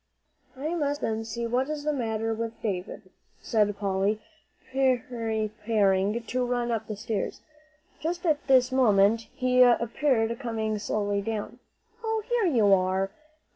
"I must go up and see what is the matter with David," said Polly, preparing to run up the stairs. Just at this moment he appeared coming slowly down. "Oh, here you are!"